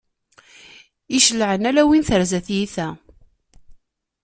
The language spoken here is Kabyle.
I icelɛan, ala win terza tyita.